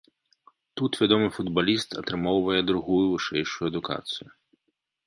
Тут вядомы футбаліст атрымоўвае другую вышэйшую адукацыю.